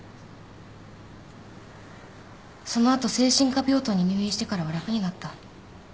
その後精神科病棟に入院してからは楽になった。